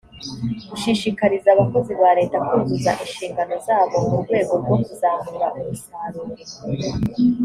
gushishikariza abakozi ba leta kuzuza inshingano zabo mu rwego rwo kuzamura umusaruro